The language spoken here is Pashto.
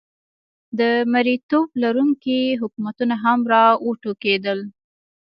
د مریتوب لرونکي حکومتونه هم را وټوکېدل.